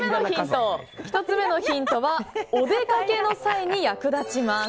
１つ目のヒントはお出かけの際に役立ちます。